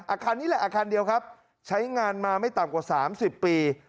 อาคารนี้แหละอาคารเดียวครับใช้งานมาไม่ต่ำกว่า๓๐ปี